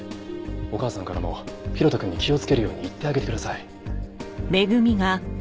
お母さんからも大翔くんに気をつけるように言ってあげてください。